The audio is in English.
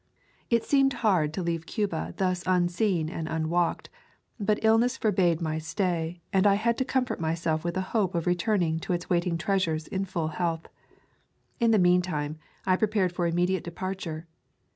It seemed hard to leave Cuba thus unseen and unwalked, but illness forbade my stay and Thad to comfort myself with the hope of return ing to its waiting treasures in full health. In the mean time I prepared for immediate de parture.